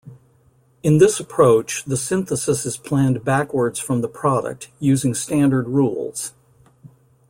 In this approach, the synthesis is planned backwards from the product, using standard rules.